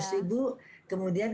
tiga ratus ribu kemudian